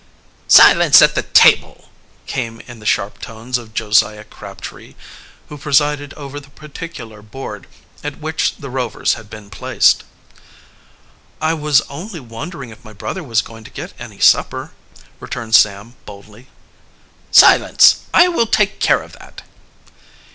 "Silence at the table!" came in the sharp tones of Josiah Crabtree, who presided over the particular board at which the Rovers had been placed. "I was only wondering if my brother was going to get any supper," returned Sam boldly. "Silence! I will take care of that."